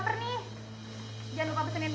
kayaknya kita perlu kebaguin deh